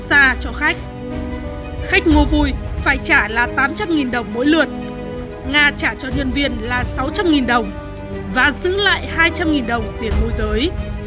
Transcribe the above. nga đã trả cho khách khách ngô vui phải trả là tám trăm linh đồng mỗi lượt nga trả cho nhân viên là sáu trăm linh đồng và giữ lại hai trăm linh đồng tiền môi giới